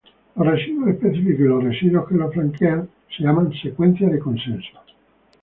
Los residuos específicos y los residuos que lo flanquean se llaman secuencia de consenso.